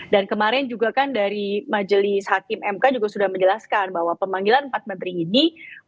dan kemarin juga kan dari majelis hakim mk juga sudah menjelaskan bahwa pemanggilan empat menteri ini